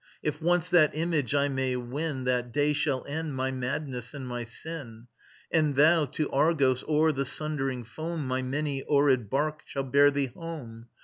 If once that image I may win That day shall end my madness and my sin: And thou, to Argos o'er the sundering foam My many oared barque shall bear thee home.